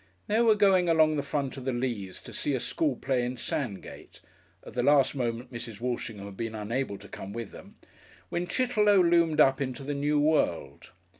They were going along the front of the Leas to see a school play in Sandgate at the last moment Mrs. Walshingham had been unable to come with them when Chitterlow loomed up into the new world.